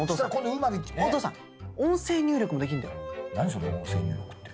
それ音声入力って。